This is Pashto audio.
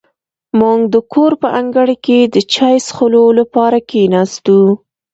موږ د کور په انګړ کې د چای څښلو لپاره کېناستو.